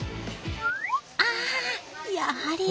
あやはり。